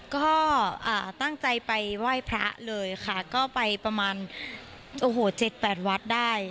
ก็ตั้งใจไปไหว้พระเลยค่ะก็ไปประมาณโอ้โห๗๘วัดได้